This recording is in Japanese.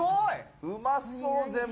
うまそう、全部。